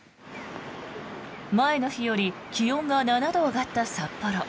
前の日より気温が７度上がった札幌。